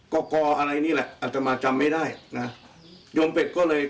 ก็กล่ออะไรนี่แหละ